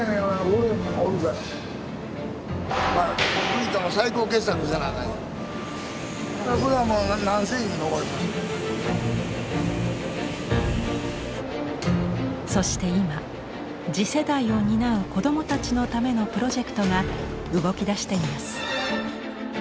これはもうそして今次世代を担う子どもたちのためのプロジェクトが動きだしています。